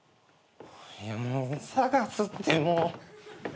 いやもう捜すってもう！